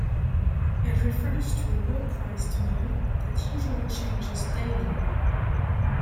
It refers to a low-priced meal that usually changes daily.